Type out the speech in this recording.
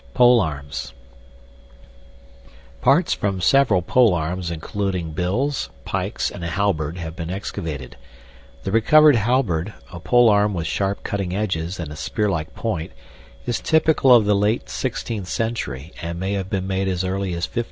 POLEARMS Parts from several polearms, including bills, pikes, and a halberd, have been excavated. The recovered halberd (a polearm with sharp cutting edges and a spearlike point) is typical of the late 16th century, and may have been made as early as 1575.